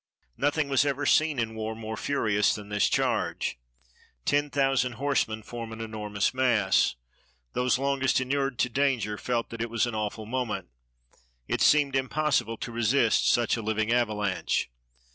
Nothing was ever seen in war more furious than this charge. Ten thousand horse men form an enormous mass. Those longest inured to danger felt that it was an awful moment. It seemed impossible to resist such a living avalanche.